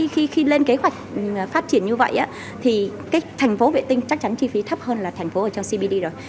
khi lên kế hoạch phát triển như vậy thì cái thành phố vệ tinh chắc chắn chi phí thấp hơn là thành phố ở trong cbd rồi